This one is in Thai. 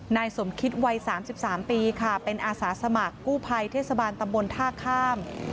นายสมคิตวัย๓๓ปีค่ะเป็นอาสาสมัครกู้ภัยเทศบาลตำบลท่าข้าม